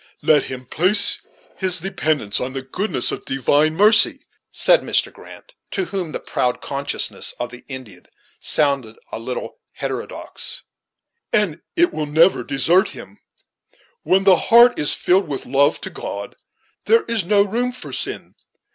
"Let him place his dependence on the goodness of Divine mercy," said Mr. Grant, to whom the proud consciousness of the Indian sounded a little heterodox, "and it never will desert him. When the heart is filled with love to God, there is no room for sin.